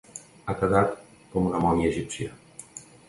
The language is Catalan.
Ha quedat com una mòmia egípcia.